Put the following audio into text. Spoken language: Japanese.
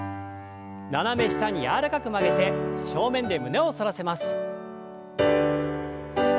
斜め下に柔らかく曲げて正面で胸を反らせます。